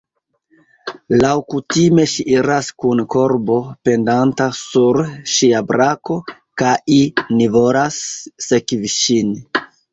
Laŭkutime ŝi iras kun korbo pendanta sur ŝia brako, kai ni volas sekvi ŝin.